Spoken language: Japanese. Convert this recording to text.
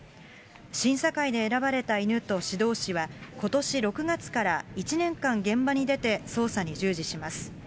審査会で選ばれた犬と指導士は、ことし６月から１年間現場に出て、捜査に従事します。